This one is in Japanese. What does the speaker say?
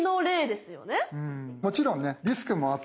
もちろんねリスクもあって例えば